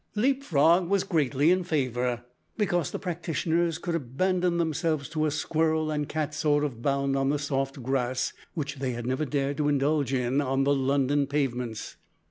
Leap frog was greatly in favour, because the practitioners could abandon themselves to a squirrel and cat sort of bound on the soft grass, which they had never dared to indulge in on the London pavements.